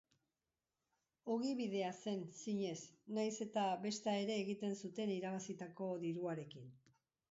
Ogibidea zen, zinez, nahiz eta besta ere egiten zuten irabazitako diruarekin.